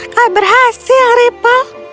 kau berhasil ripel